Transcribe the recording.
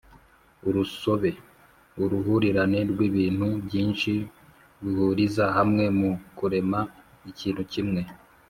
urusobe: uruhurirane rw’ibintu byinshi bihuriza hamwe mu kurema ikintu kimwe.